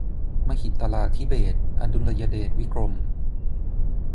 มหิตลาธิเบศรอดุลยเดชวิกรม